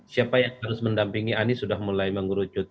siapa yang harus mendampingi anies sudah mulai mengerucut